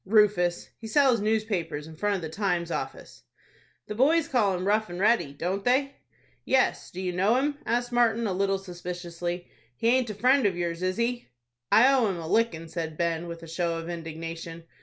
"Rufus. He sells newspapers in front of the 'Times' office." "The boys call him Rough and Ready, don't they?" "Yes. Do you know him?" asked Martin, a little suspiciously. "He aint a friend of yours, is he?" "I owe him a lickin'," said Ben, with a show of indignation.